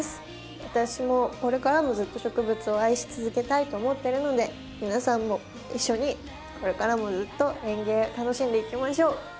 私もこれからもずっと植物を愛し続けたいと思ってるので皆さんも一緒にこれからもずっと園芸楽しんでいきましょう。